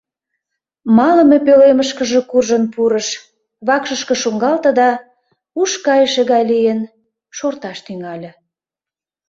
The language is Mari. Малыме пӧлемышкыже куржын пурыш, вакшышке шуҥгалте да, уш кайыше гай лийын, шорташ тӱҥале.